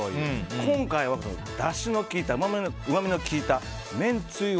今回はだしの効いたうまみの効いためんつゆを。